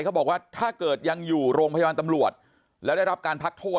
เขาบอกว่าถ้าเกิดยังอยู่โรงพยาบาลตำรวจแล้วได้รับการพักโทษ